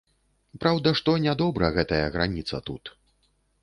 Праўда, што нядобра гэтая граніца тут.